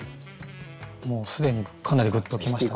もう既にかなりグッときましたね。